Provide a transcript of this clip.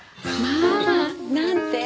まあ！なんて？